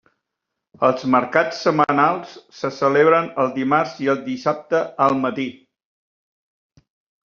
Els mercats setmanals se celebren els dimarts i els dissabtes al matí.